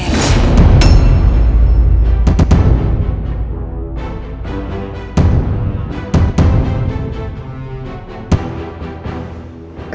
iya pak ferry